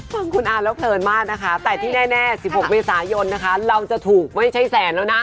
ฟังคุณอาแล้วเพลินมากนะคะแต่ที่แน่๑๖เมษายนนะคะเราจะถูกไม่ใช่แสนแล้วนะ